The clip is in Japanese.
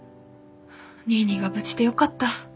ニーニーが無事でよかった。